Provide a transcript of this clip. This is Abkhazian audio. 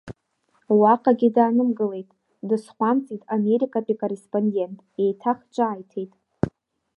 Уаҟагьы даанымгылеит, дысҟәамҵит америкатәи акорреспондент, еиҭах ҿааиҭит…